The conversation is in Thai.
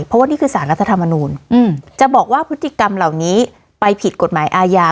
เพราะว่านี่คือสารรัฐธรรมนูลจะบอกว่าพฤติกรรมเหล่านี้ไปผิดกฎหมายอาญา